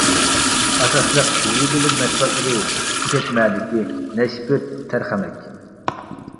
ئاساسلىق يېزا ئىگىلىك مەھسۇلاتلىرى ئېشەكمەدىكى، نەشپۈت، تەرخەمەك.